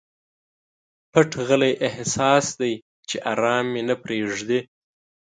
پټ غلی احساس دی چې ارام مي نه پریږدي.